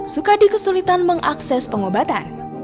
sukadi kesulitan mengakses pengobatan